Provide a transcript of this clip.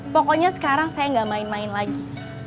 pokoknya sekarang saya nggak main main lagi